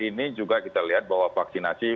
ini juga kita lihat bahwa vaksinasi